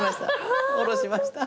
降ろしました。